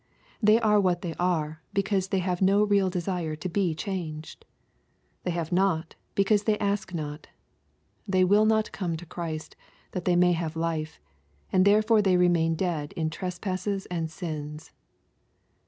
They are what they are, because they have no real desire to be changed. They have not, because they ask not. They will not come to Christ, that they may have life ; and therefore they remain dead in trespasses and sins.